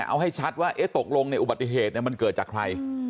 เอาให้ชัดว่าตกลงอุบัติเหตุมันเกิดจากใคร